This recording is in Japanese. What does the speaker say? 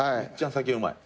酒うまい。